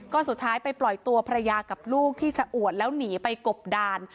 ก็สุดท้ายไปปล่อยตัวภรรยากับลูกที่ชะอวดแล้วหนีไปกบดาน